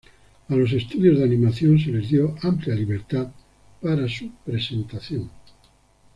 A los estudios de animación se les dio amplia libertad para su presentación.